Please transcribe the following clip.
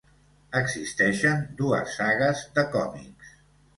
Existeixen dues sagues de còmics.